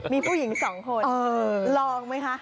มีผู้หญิง๒คนลองไหมคะ